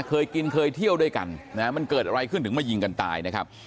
เคยกินเคยเที่ยวด้วยกันนะฮะมันเกิดอะไรขึ้นถึงมายิงกันตายนะครับ